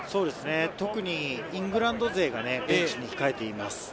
特にイングランド勢が控えています。